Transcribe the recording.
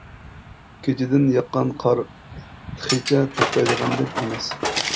كېچىدىن ياققان قار تېخىچە توختايدىغاندەك ئەمەس.